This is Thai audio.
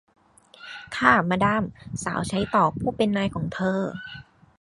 ค่ะ มาดาม สาวใช้ตอบผู้เป็นนายของเธอ